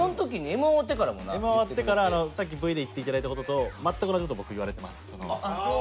Ｍ−１終わってからさっきＶで言っていただいた事と全く同じ事僕言われてます。